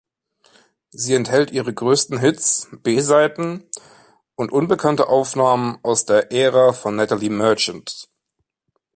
Sie enthält ihre größten Hits, B-Seiten und unbekannte Aufnahmen aus der Ära von Natalie Merchant.